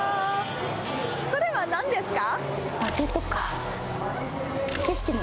これは何ですか？